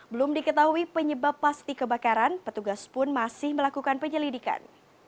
belum diketahui penyebab pasti kebakaran petugas pun masih melakukan penyelidikan